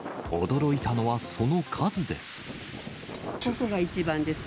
驚いたのはその数です。